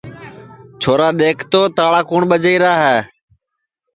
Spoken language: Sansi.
چھورا دَیکھ تو تاݪا کُوٹؔ ٻجائیرا ہے